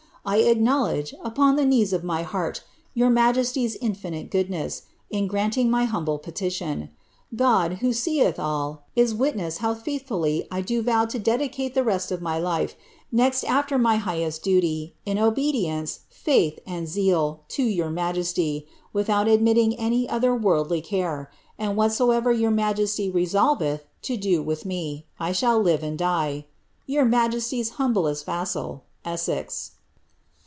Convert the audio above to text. I acknowledge, upon the knees of my heart, joar majesty's infinite goodness, in granting my humble petition. God, who seetb all, is witness how faithfully I do vow to dedicate the rest of my life, next after my highest duty, in obedience, faith, and zeal, to jrour mBietiy, without admitting any other worldly care ; and whatsoever your majesty resolveth to do with me, I shall live and die Tour majeaty^B humblest vassal, ElSMX."